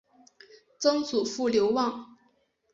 曾祖父刘旺。